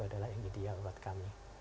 adalah yang ideal buat kami